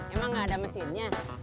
emang gak ada mesinnya